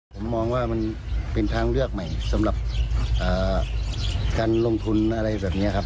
ผมมองว่ามันเป็นทางเลือกใหม่สำหรับการลงทุนอะไรแบบนี้ครับ